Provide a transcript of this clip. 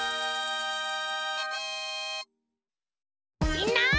みんな！